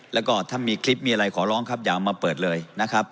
แล้วก็ถ้ามีคลิปมีอะไรขอร้องครับอย่าเอามาเปิดเลยนะครับ